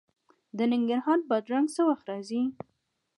د ننګرهار بادرنګ څه وخت راځي؟